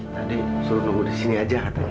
tadi suruh nunggu disini aja katanya